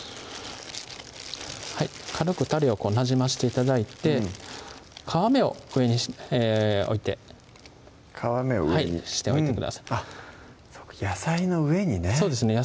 はい軽くたれをなじまして頂いて皮目を上に置いて皮目を上にしておいてくださいそうか野菜の上にねそうですね